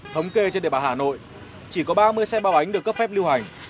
thống kê trên đề bản hà nội chỉ có ba mươi xe ba bánh được cấp phép lưu hành